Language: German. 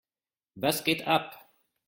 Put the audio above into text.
Was geht ab?